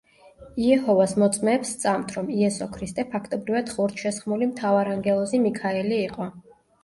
იეჰოვას მოწმეებს სწამთ რომ იესო ქრისტე ფაქტობრივად ხორცშესხმული მთავარანგელოზი მიქაელი იყო.